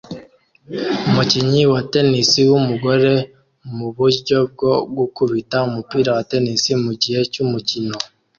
Umukinnyi wa tennis wumugore muburyo bwo gukubita umupira wa tennis mugihe cyumukino